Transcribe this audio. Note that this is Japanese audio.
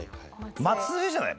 松江じゃない？